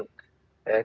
kepada pak prabowo